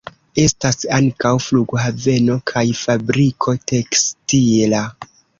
Estas ankaŭ flughaveno kaj fabriko tekstila.